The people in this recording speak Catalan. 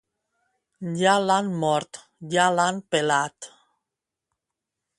Ja l'han mort, ja l'han pelat.